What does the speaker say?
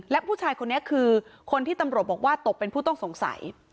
และผู้ชายคนนี้คือคนที่ตำรวจบอกว่าตกเป็นผู้ต้องสงสัย